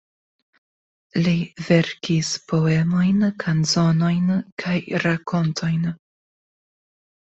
Li verkis poemojn, kanzonojn kaj rakontojn.